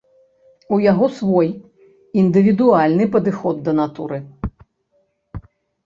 У яго свой, індывідуальны падыход да натуры.